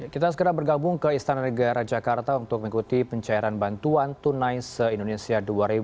kita segera bergabung ke istana negara jakarta untuk mengikuti pencairan bantuan tunai se indonesia dua ribu dua puluh